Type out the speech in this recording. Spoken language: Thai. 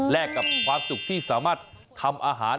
กับความสุขที่สามารถทำอาหาร